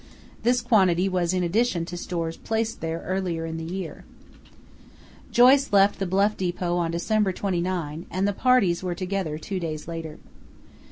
This quantity was in addition to stores placed there earlier in the year. Joyce left the Bluff depot on December 29, and the parties were together two days later.